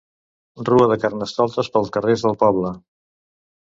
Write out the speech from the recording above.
Rua de Carnestoltes pels carrers del poble.